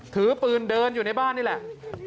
ถือปืนเดินอยู่ในบ้านนี่แหละ